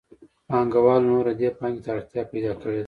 پانګوالو نوره دې پانګې ته اړتیا پیدا کړې ده